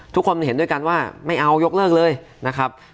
ทุกคนเห็นด้วยกันว่าไม่เอายกเลิกเลยนะครับ